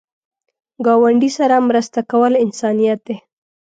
ګاونډي سره مرسته کول انسانیت دی